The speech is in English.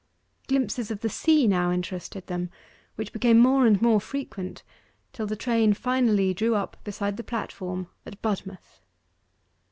Glimpses of the sea now interested them, which became more and more frequent till the train finally drew up beside the platform at Budmouth.